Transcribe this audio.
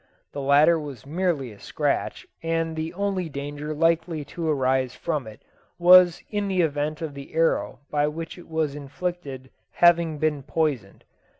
The latter was merely a scratch, and the only danger likely to arise from it was in the event of the arrow by which it was inflicted having been poisoned.